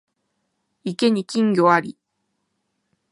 池に金魚あり